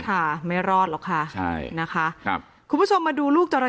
ค่ะไม่รอดหรอกค่ะคุณผู้ชมมาดูลูกจริง